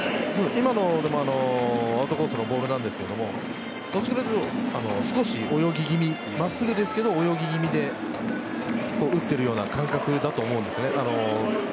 今のはアウトコースのボールなんですけどどちらかというと少し泳ぎぎみに真っすぐですけど泳ぎ気味で打っているような感覚だと思うんですね。